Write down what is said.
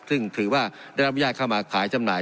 ซึ่งถือว่าได้เรียนรับย่าข้าวมาขายจำหน่าย